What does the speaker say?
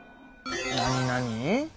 なになに？